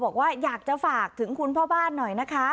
บอกว่าอยากจะฝากถึงคุณพ่อบ้านหน่อยนะคะ